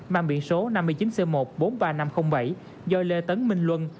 mang biển số năm mươi chín c một trăm bốn mươi ba nghìn năm trăm linh bảy do lê tấn minh luân